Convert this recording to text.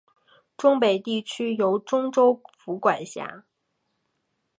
忠北地区由忠州府管辖。